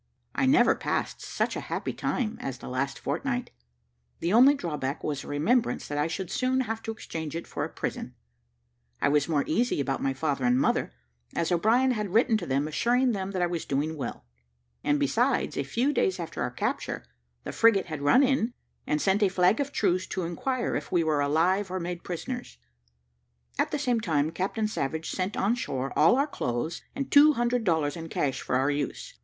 I never passed such a happy time as the last fortnight; the only drawback was the remembrance that I should soon have to exchange it for a prison. I was more easy about my father and mother, as O'Brien had written to them, assuring them that I was doing well; and besides, a few days after our capture, the frigate had run in, and sent a flag of truce to inquire if we were alive or made prisoners; at the same time Captain Savage sent on shore all our clothes, and two hundred dollars in cash for our use.